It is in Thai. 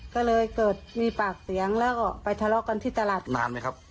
ก็เลยเกิดมีปากเสียงแล้วก็ไปทะเลาะกันที่ตลาดนานไหมครับ